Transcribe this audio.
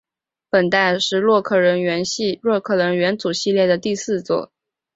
本代是洛克人元祖系列的第四作。